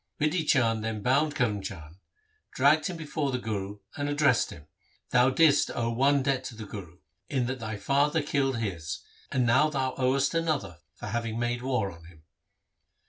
Bidhi Chand then bound Karm Chand, dragged him before the Guru, and addressed him, 'Thou didst owe one debt to the Guru, in that thy father killed his, and now thou owest him another for having made war on him.'